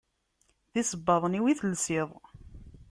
D isebbaḍen-iw i telsiḍ.